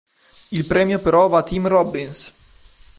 Il premio però va a Tim Robbins.